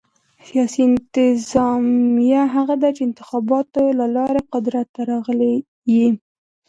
سیاسي انتظامیه هغه ده، چي انتخاباتو له لاري قدرت ته راغلي يي.